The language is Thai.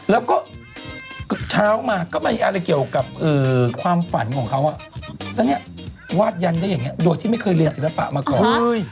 แล้วก็เช้ามาก็มีอะไรเกี่ยวกับความฝันของเขาแล้วเนี่ยวาดยันได้อย่างนี้โดยที่ไม่เคยเรียนศิลปะมาก่อน